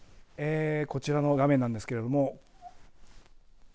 こちらの画面なんですけれども。